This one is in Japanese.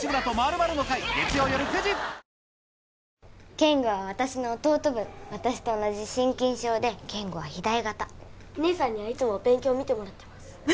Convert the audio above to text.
健吾は私の弟分私と同じ心筋症で健吾は肥大型姉さんにはいつも勉強を見てもらってます